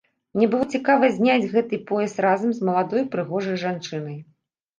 Мне было цікава зняць гэты пояс разам з маладой прыгожай жанчынай.